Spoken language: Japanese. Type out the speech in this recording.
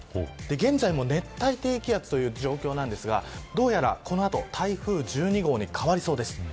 現在も熱帯低気圧という状況ですが、どうやらこの後台風１２号に変わりそうです。